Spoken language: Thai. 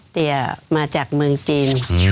เตี๋ยมาจากเมืองจีน